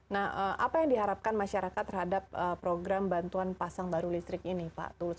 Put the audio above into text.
nah apa yang diharapkan masyarakat terhadap program bantuan pasang baru listrik ini pak tulus